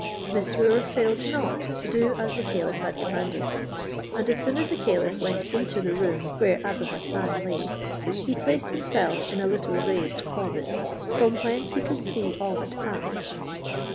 Mesrour failed not to do as the caliph had commanded, and as soon as the caliph went into the room where Abou Hassan lay, he placed himself in a little raised closet, from whence he could see all that passed.